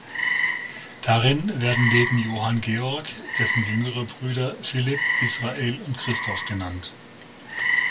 Darin werden neben Johann Georg dessen jüngere Brüder Philipp, Israel und Christoph genannt.